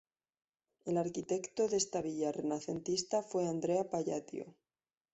El arquitecto de esta villa renacentista fue Andrea Palladio.